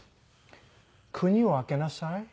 国を開けなさい。